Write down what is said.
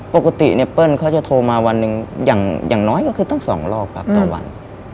ปกติเนี่ยเปิ้ลเขาจะโทรมาวันหนึ่งอย่างน้อยก็คือต้อง๒รอบครับต่อวัน